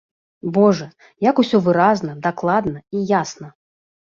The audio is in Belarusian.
Божа, як усё выразна, дакладна і ясна!